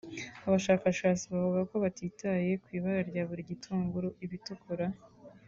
Abashakashati bavuga ko hatitawe ku ibara rya buri gitunguru (ibitukura